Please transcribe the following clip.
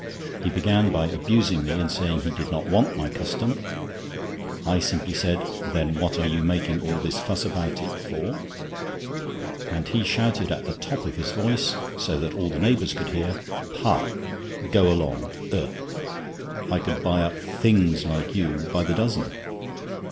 He began by abusing me, and saying he did not want my custom. I simply said: "Then what are you making all this fuss about it for?" And he shouted out at the top of his voice, so that all the neighbours could hear: "Pah! go along. Ugh! I could buy up 'things' like you by the dozen!"